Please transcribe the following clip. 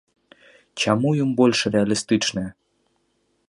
Чаму ён больш рэалістычны?